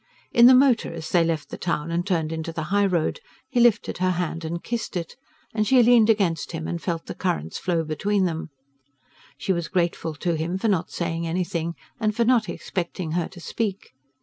In the motor, as they left the town and turned into the high road, he lifted her hand and kissed it, and she leaned against him, and felt the currents flow between them. She was grateful to him for not saying anything, and for not expecting her to speak.